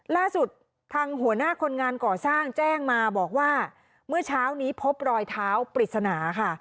ล่าสุดทางหัวหน้าคนงานก่อสร้างแจ้งมาบอกว่าเมื่อเช้านี้พบรอยเท้าปริศนาค่ะ